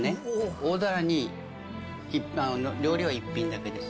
大皿に料理は１品だけです。